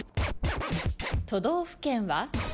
都道府県は？